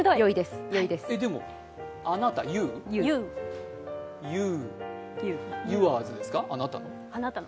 でも、あなた、ユー、ユアーズですか？